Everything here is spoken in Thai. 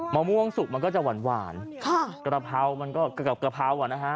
มะม่วงสุกมันก็จะหวานหวานค่ะกระเพรามันก็กับกะเพราอ่ะนะฮะ